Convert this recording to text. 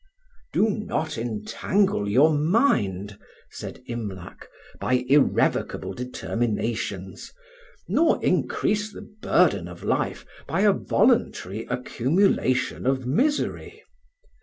"Do not entangle your mind," said Imlac, "by irrevocable determinations, nor increase the burden of life by a voluntary accumulation of misery.